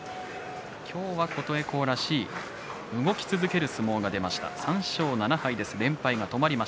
今日は琴恵光らしい動き続ける相撲を取りました。